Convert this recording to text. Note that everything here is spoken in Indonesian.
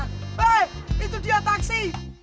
hei itu dia taksi